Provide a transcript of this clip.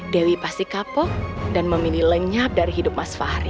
dewi pasti kapok dan memilih lenyap dari hidup mas fahri